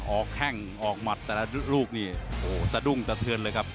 แข้งออกหมัดแต่ละลูกนี่โอ้โหสะดุ้งสะเทือนเลยครับ